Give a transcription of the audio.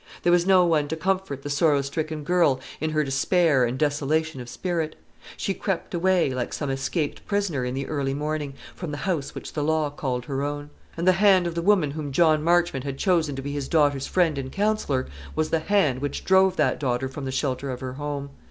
There was no one to comfort the sorrow stricken girl in her despair and desolation of spirit. She crept away, like some escaped prisoner, in the early morning, from the house which the law called her own. And the hand of the woman whom John Marchmont had chosen to be his daughter's friend and counsellor was the hand which drove that daughter from the shelter of her home.